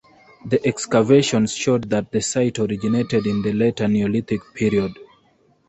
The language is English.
The excavations showed that the site originated in the later Neolithic period.